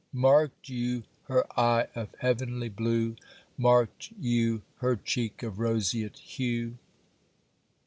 Mark'd you her eye of heavenly blue! Mark'd you her cheek of roseate hue!